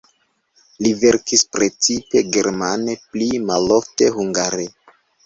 Li verkis precipe germane, pli malofte hungare.